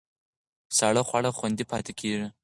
ساړه خواړه خوندي پاتې کېږي.